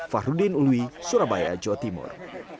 fahruddin uluwi surabaya jawa timur